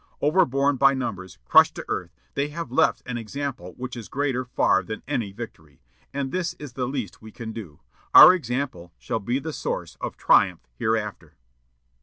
Overborne by numbers, crushed to earth, they have left an example which is greater far than any victory. And this is the least we can do. Our example shall be the source of triumph hereafter."